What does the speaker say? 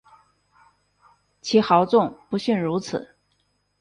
其豪纵不逊如此。